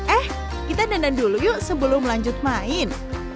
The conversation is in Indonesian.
eh kita dandan dulu yuk sebelum lanjut main